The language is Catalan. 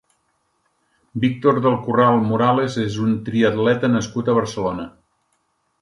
Víctor del Corral Morales és un triatleta nascut a Barcelona.